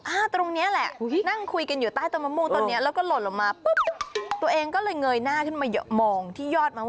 ตรงนี้แหละนั่งคุยกันอยู่ใต้ต้นมะม่วงต้นนี้แล้วก็หล่นลงมาปุ๊บตัวเองก็เลยเงยหน้าขึ้นมามองที่ยอดมะม่วง